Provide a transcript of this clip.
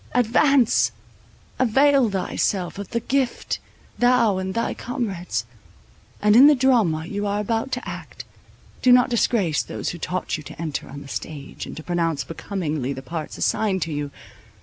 Advance! avail thyself of the gift, thou and thy comrades; and in the drama you are about to act, do not disgrace those who taught you to enter on the stage, and to pronounce becomingly the parts assigned to you!